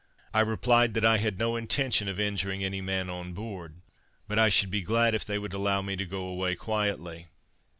I replied, "that I had no intention of injuring any man on board; but I should be glad if they would allow me to go away quietly."